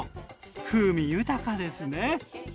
風味豊かですね。